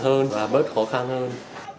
hơn và bớt khó khăn hơn